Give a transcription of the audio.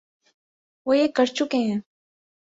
وہ یہ کر چکے ہیں۔